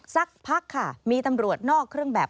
สักพักค่ะมีตำรวจนอกเครื่องแบบ